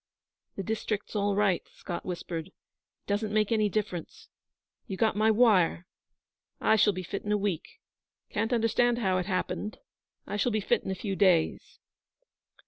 'The district's all right,' Scott whispered. 'It doesn't make any difference. You got my wire? I shall be fit in a week. 'Can't understand how it happened. I shall be fit in a few days.'